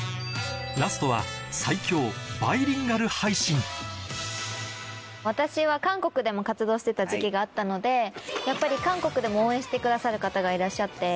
ラストは私は韓国でも活動してた時期があったのでやっぱり韓国でも応援してくださる方がいらっしゃって。